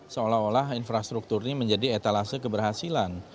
seolah olah infrastruktur ini menjadi etalase keberhasilan